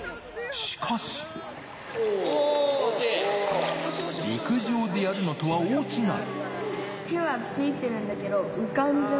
しかし、陸上でやるのとは大違い。